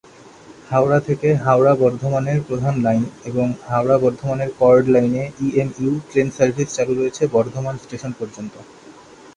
হাওড়া থেকে হাওড়া-বর্ধমানের প্রধান লাইন এবং হাওড়া-বর্ধমানের কর্ড লাইনে ইএমইউ ট্রেন সার্ভিস চালু রয়েছে বর্ধমান স্টেশন পর্যন্ত।